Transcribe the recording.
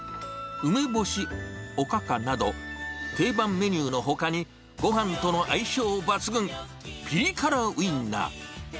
うめぼし、おかかなど、定番メニューのほかに、ごはんとの相性抜群、ピリ辛ウィンナー。